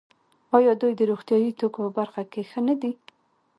آیا دوی د روغتیايي توکو په برخه کې ښه نه دي؟